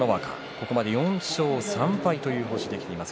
ここまで４勝３敗という星です。